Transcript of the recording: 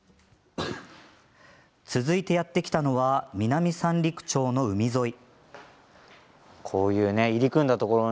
続いてやって来たのは南三陸町の海沿い。